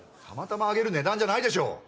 たまたまあげる値段じゃないでしょ